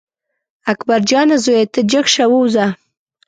اکبر جانه زویه ته جګ شه ووځه.